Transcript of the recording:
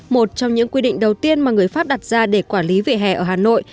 một trong những quy định đầu tiên mà người pháp đặt ra để quản lý vỉa hè ở hà nội